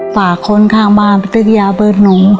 ฝากคนข้างบ้านไปซื้อยาเบิดหนู